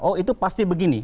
oh itu pasti begini